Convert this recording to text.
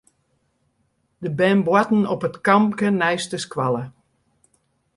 De bern boarten op it kampke neist de skoalle.